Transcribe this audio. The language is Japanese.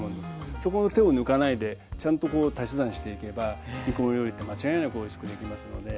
そこの手を抜かないでちゃんと足し算していけば煮込み料理って間違いなくおいしくできますので。